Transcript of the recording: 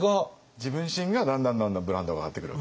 自分自身がだんだんだんだんブランドが上がってくるわけです。